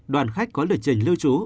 đoàn khách có lịch trình lưu trú